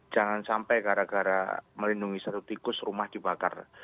jangan sampai gara gara melindungi satu tikus rumah dibakar